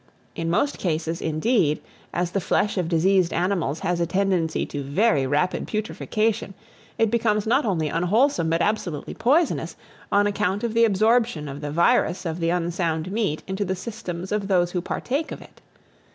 In most cases, indeed, as the flesh of diseased animals has a tendency to very rapid putrefaction, it becomes not only unwholesome, but absolutely poisonous, on account of the absorption of the virus of the unsound meat into the systems of those who partake of it.